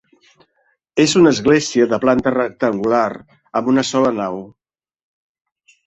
És una església de planta rectangular amb una sola nau.